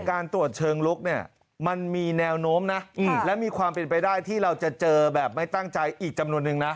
การตรวจเชิงลุกเนี่ยมันมีแนวโน้มนะและมีความเป็นไปได้ที่เราจะเจอแบบไม่ตั้งใจอีกจำนวนนึงนะ